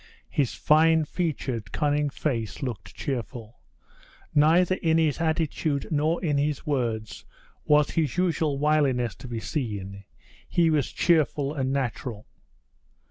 His fine featured cunning face looked cheerful; neither in his attitude nor in his words was his usual wiliness to be seen; he was cheerful and natural.